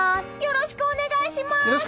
よろしくお願いします！